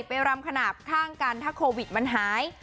รำขนาดข้างกันถ้าโควิดมันหาย